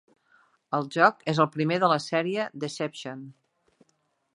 El joc és el primer de la sèrie "Deception".